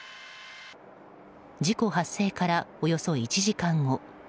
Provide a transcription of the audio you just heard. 事故発生から、およそ１時間後。